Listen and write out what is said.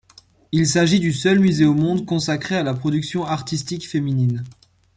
Il s'agit du seul musée au monde consacré à la production artistique féminine.